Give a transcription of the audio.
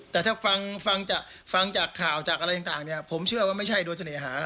แต่ถ้าฟังจากฟังจากข่าวจากอะไรต่างเนี่ยผมเชื่อว่าไม่ใช่โดยเสน่หา